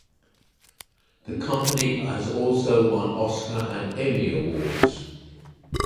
The company has also won Oscar and Emmy awards.